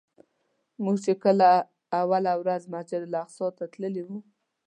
موږ چې کله اوله ورځ مسجدالاقصی ته تللي وو.